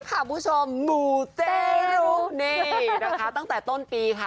คุณผู้ชมหมูเจรุนี่นะคะตั้งแต่ต้นปีค่ะ